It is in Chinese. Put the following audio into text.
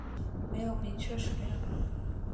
没有明确史料